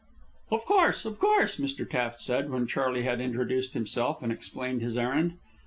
"Of course, of course," Mr. Taft said, when Charley had introduced himself and explained his errand.